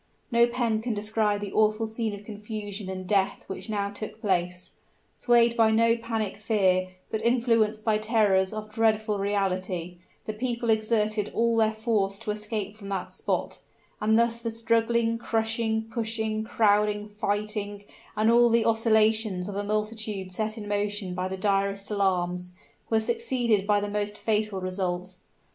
No pen can describe the awful scene of confusion and death which now took place. Swayed by no panic fear, but influenced by terrors of dreadful reality, the people exerted all their force to escape from that spot; and thus the struggling, crushing, pushing, crowding, fighting, and all the oscillations of a multitude set in motion by the direst alarms, were succeeded by the most fatal results.